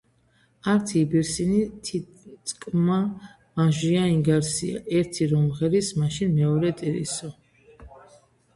ართი იბირსინი თიწკჷმა მაჟია ინგარსია."ერთი რომ მღერის მაშინ მეორე ტირისო."